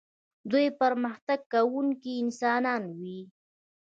دوی پرمختګ کوونکي انسانان وي.